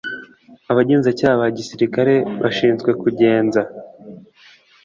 abagenzacyaha ba gisirikare bashinzwe kugenza